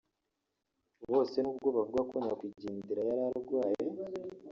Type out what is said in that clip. Bose nubwo bavuga ko nyakwigendera yari arwaye